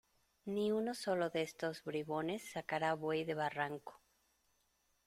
Ni uno solo de estos bribones sacará buey de barranco.